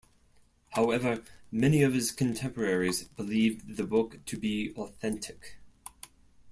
However, many of his contemporaries believed the book to be authentic.